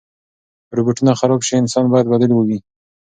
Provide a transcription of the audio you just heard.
که روبوټونه خراب شي، انسان باید بدیل وي.